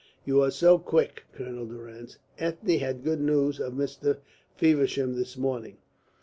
You are so quick, Colonel Durrance. Ethne had good news of Mr. Feversham this morning."